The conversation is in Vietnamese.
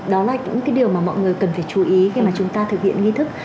đó là những cái điều mà mọi người cần phải chú ý khi mà chúng ta thực hiện nghi thức